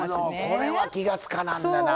これは気が付かなんだなぁ。